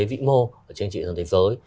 vĩ mô ở trên trường thế giới